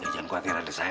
ya jangan khawatir ada saya